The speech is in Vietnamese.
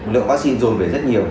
lượng vaccine dồn về rất nhiều